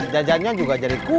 jajannya juga jadi kurang